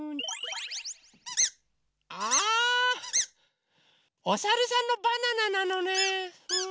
あおさるさんのバナナなのねふん。